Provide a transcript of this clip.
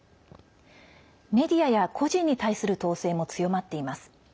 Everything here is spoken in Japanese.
メディアや個人に対する統制も強まっています。